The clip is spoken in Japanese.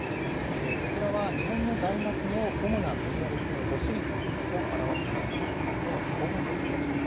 こちらは日本の大学の主な分野別の女子率を表したものなんですけれども、工学部、どうですか。